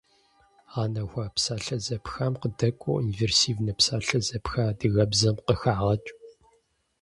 Гъэнэхуа псалъэ зэпхам къыдэкӏуэу инверсивнэ псалъэ зэпха адыгэбзэм къыхагъэкӏ.